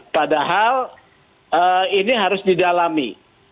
padahal ini harus didalami